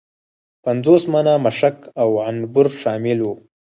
پنځوس منه مشک او عنبر شامل وه.